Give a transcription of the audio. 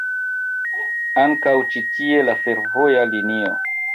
Ankaŭ ĉi tie la fervoja linio.